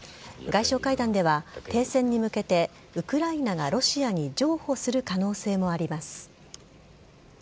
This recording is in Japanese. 外相会談では停戦に向けてウクライナがロシアに譲歩する可能性もあります。